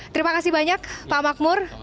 terima kasih banyak pak makmur